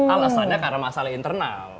alasannya karena masalah internal